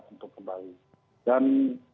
untuk kembali dan